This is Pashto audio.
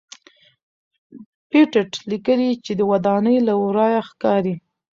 پېټټ لیکلي چې ودانۍ له ورایه ښکاري.